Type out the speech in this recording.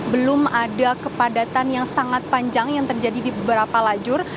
belum ada kepadatan yang sangat panjang yang terjadi di beberapa lajur